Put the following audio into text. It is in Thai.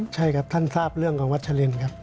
ใช่ครับท่านทราบเรื่องกับวัชลินครับ